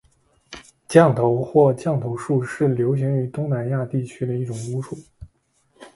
降头或降头术是流行于东南亚地区的一种巫术。